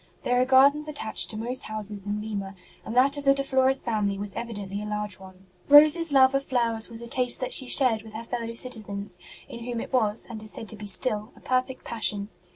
There are gardens attached to most houses in Lima, and that of the De Flores family was evi dently a large one. Rose s love of flowers was a taste that she shared with her fellow citizens, in whom it was, and is said to be still, a perfect passion.